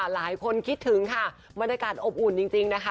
หลายคนคิดถึงค่ะบรรยากาศอบอุ่นจริงนะคะ